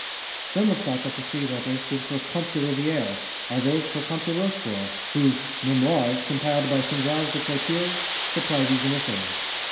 Some have thought the three letters stood for Comte de Riviere, others for Comte de Rochefort, whose 'Memoires' compiled by Sandras de Courtilz supply these initials.